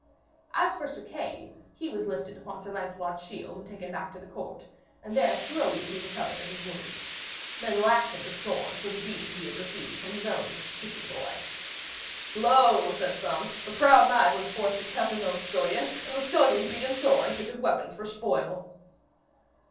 As for Sir Kay, he was lifted upon Sir Lancelot's shield and taken back to the court, and there slowly he recovered of his wound. Men laughed him to scorn for the beating he had received from his own 'kitchen boy.' 'Lo,' said some, 'the proud knight went forth to cuff his own scullion, and the scullion beat him sore and took his weapons for spoil.'